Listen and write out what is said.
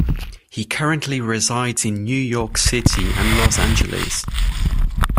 He currently resides in New York City and Los Angeles.